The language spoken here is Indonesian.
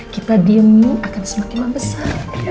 kita diem nih akan semakin mabesan